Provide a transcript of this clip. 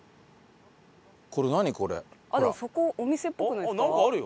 そこお店っぽくないですか？